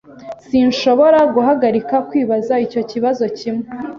Sinshobora guhagarika kwibaza icyo kibazo kimwe.